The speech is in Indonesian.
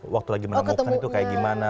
waktu lagi menemukan itu kayak gimana